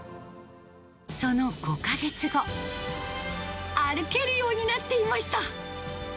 その５か月後、歩けるようになっていました。